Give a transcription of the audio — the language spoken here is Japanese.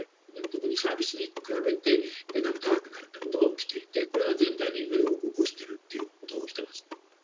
特にサービスに比べて、値段が高くなるということが起きていてこれが全体のインフレを起こしてるってことが起きてます。